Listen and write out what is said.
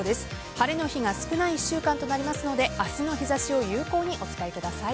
晴れの日が少ない１週間となりますので明日の日差しを有効にお使いください。